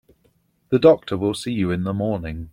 The doctor will see you in the morning.